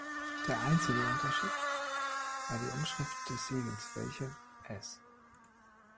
Der einzige Unterschied war die Umschrift des Siegels, welche „S.